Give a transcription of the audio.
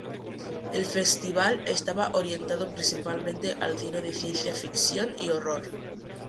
El festival estaba orientado principalmente al cine de ciencia ficción y horror.